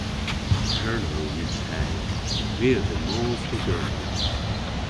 Kernow yw teg. My a vynn mos dhe Gernow.